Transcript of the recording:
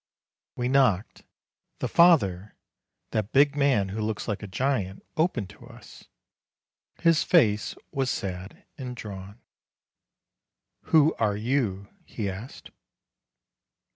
We knocked; the father, that big man who looks like a giant, opened to us ; his face was sad and drawn. "Who are you?" he asked.